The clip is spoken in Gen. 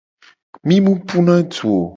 Mi mu puna du o.